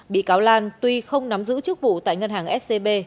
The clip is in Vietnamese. bị cáo lan tuy không nắm giữ chức vụ tại ngân hàng scb